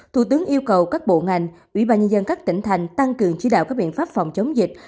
thủ tướng yêu cầu các bộ ngành ủy ban nhân dân các tỉnh thành tăng cường chỉ đạo các biện pháp phòng chống dịch